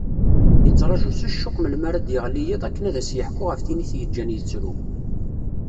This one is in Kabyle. Yettraǧu s ccuq melmi ara d-yeɣli yiḍ akken ad as-yeḥku ɣef tin i t-yeǧǧan yettru.